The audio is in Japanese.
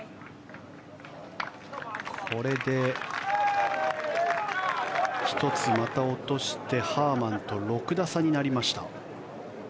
これで１つ、また落としてハーマンと６打差になりました。